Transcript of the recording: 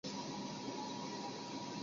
周廷励是清朝举人。